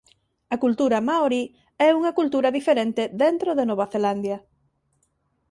A cultura maorí é unha cultura diferente dentro de Nova Zelandia.